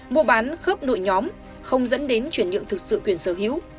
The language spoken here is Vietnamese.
mua bán khớp nội nhóm không dẫn đến chuyển nhượng thực sự quyền sở hữu